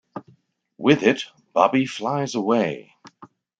With it, Bobby flies away.